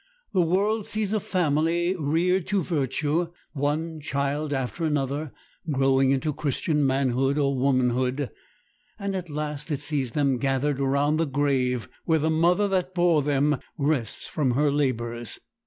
The world sees a family reared to virtue, one child after another growing into Christian manhood or womanhood, and at last it sees them gathered around the grave where the mother that bore them rests from her labors.